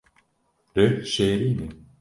Rih şêrîn e